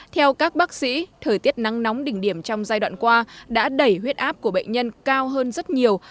theo các bác sĩ thời tiết nắng nóng đỉnh điểm trong giai đoạn qua đã đẩy huyết áp của bệnh nhân cao hơn rất nhiều